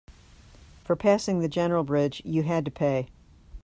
For passing the general bridge, you had to pay.